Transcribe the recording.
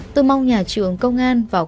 tôi mong nhà trường công an vào